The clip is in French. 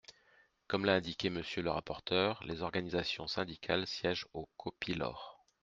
Comme l’a indiqué Monsieur le rapporteur, les organisations syndicales siègent au COPILOR.